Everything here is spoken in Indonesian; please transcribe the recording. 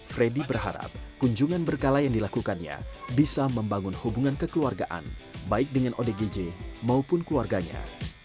freddy berharap kunjungan berkala yang dilakukannya bisa membangun hubungan kekeluargaan baik dengan odgj maupun keluarganya